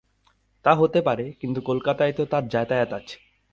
তা হতে পারে, কিন্তু কলকাতায় তো তাঁর যাতায়াত আছে।